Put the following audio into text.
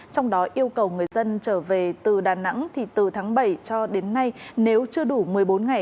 trong đó yêu cầu người dân trở về từ đà nẵng thì từ tháng bảy cho đến nay nếu chưa đủ một mươi bốn ngày